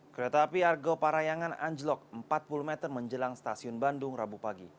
kereta api argo parayangan anjlok empat puluh meter menjelang stasiun bandung rabu pagi